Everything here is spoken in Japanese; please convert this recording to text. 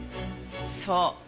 そう！